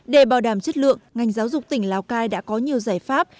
để bảo đảm chất lượng ngành giáo dục tỉnh lào cai đã có nhiều giải pháp